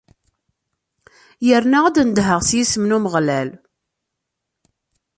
Yerna ad nedheɣ s yisem n Umeɣlal!